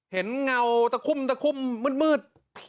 เห็นเงาตะคุมตะคุมมืด